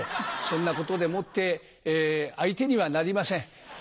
そんなことでもって相手にはなりません。